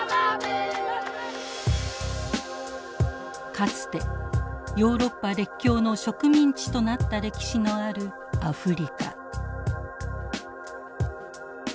かつてヨーロッパ列強の植民地となった歴史のあるアフリカ。